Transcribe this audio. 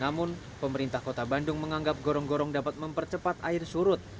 namun pemerintah kota bandung menganggap gorong gorong dapat mempercepat air surut